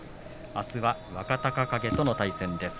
あすは若隆景との対戦です。